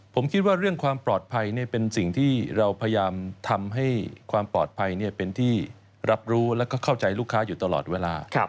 ผมคิดว่าเรื่องความปลอดภัยเป็นสิ่งที่เราพยายามทำให้ความปลอดภัยเป็นที่รับรู้แล้วก็เข้าใจลูกค้าอยู่ตลอดเวลา